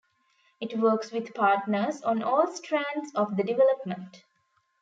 It works with partners on all strands of the development.